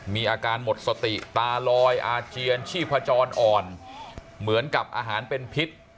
มีอาการหมดสติตาลอยอาเจียนชีพจรอ่อนเหมือนกับอาหารเป็นพิษ